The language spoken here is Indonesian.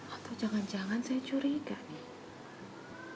atau jangan jangan saya curiga nih